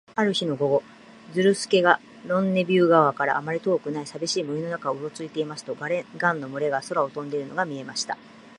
ある日の午後、ズルスケがロンネビュー川からあまり遠くない、さびしい森の中をうろついていますと、ガンの群れが空を飛んでいるのが見えました。